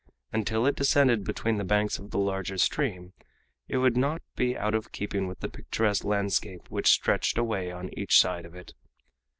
Until it descended between the banks of the larger stream it would not be out of keeping with the picturesque landscape which stretched away on each side of it.